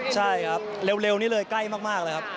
ใช่ครับเร็วนี้เลยใกล้มากเลยครับ